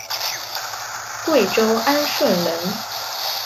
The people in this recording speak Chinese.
贵州安顺人。